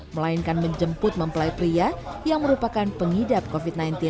melainkan menjemput mempelai pria yang merupakan pengidap covid sembilan belas